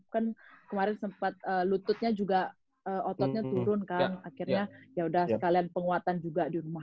kan kemarin sempat lututnya juga ototnya turun kan akhirnya yaudah sekalian penguatan juga di rumah